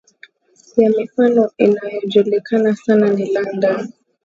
ya mifano inayojulikana sana ni London